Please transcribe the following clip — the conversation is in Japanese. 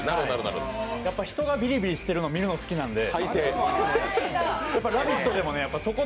やっぱり人がビリビリしてるの見るの好きなんで。